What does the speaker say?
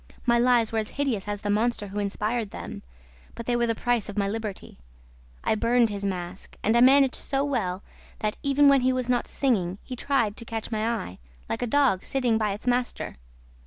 My lies were as hideous as the monster who inspired them; but they were the price of my liberty. I burned his mask; and I managed so well that, even when he was not singing, he tried to catch my eye, like a dog sitting by its master.